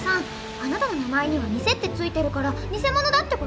あなたの名前には「ニセ」って付いてるからニセモノだって事？